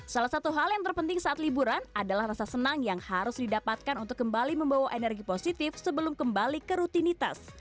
salah satu hal yang terpenting saat liburan adalah rasa senang yang harus didapatkan untuk kembali membawa energi positif sebelum kembali ke rutinitas